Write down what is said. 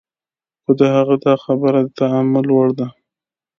خو د هغه دا خبره د تأمل وړ ده.